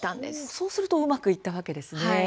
そうするとうまくいったんですね。